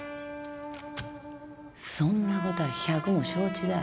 そんなことは百も承知だよ。